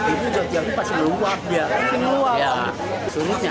itu juga dianggupan sebelum luap ya